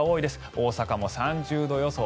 大阪も３０度予想。